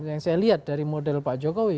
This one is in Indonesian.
yang saya lihat dari model pak jokowi